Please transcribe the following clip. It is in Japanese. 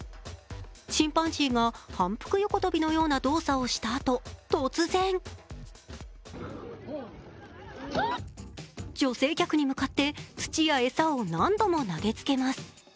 チンパンジーが反復横跳びのような動作をしたあと、突然、女性客に向かって、土や餌を何度も投げつけます。